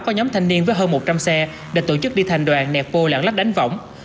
có nhóm thanh niên với hơn một trăm linh xe đã tổ chức đi thành đoàn nẹp vô lãng lách đánh võng